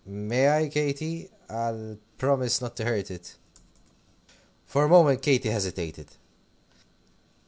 May I, Katy? I'll promise not to hurt it." For a moment Katy hesitated.